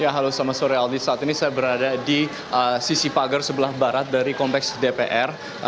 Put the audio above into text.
halo selamat sore aldi saat ini saya berada di sisi pagar sebelah barat dari kompleks dpr